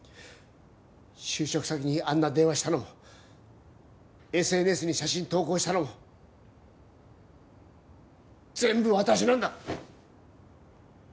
就職先にあんな電話したのもＳＮＳに写真投稿したのも全部私なんだ！